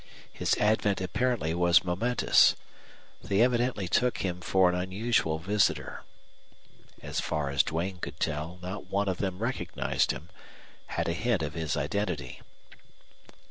His advent apparently was momentous. They evidently took him for an unusual visitor. So far as Duane could tell, not one of them recognized him, had a hint of his identity.